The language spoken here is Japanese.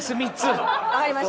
分かりました。